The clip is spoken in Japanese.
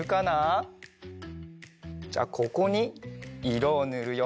じゃあここにいろをぬるよ。